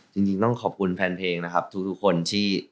จริงต้องขอบคุณแฟนเพลงนะครับทุกคนที่